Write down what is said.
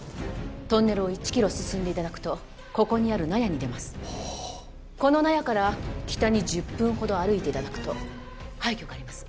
トンネルを１キロ進んでいただくとここにある納屋に出ますはあこの納屋から北に１０分ほど歩いていただくと廃墟があります